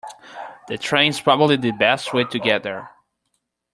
The train is probably the best way to get there.